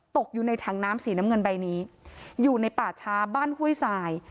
ตกอยู่ในถังน้ำสีน้ำเงินใบนี้อยู่ในป่าช้าบ้านห้วยทราย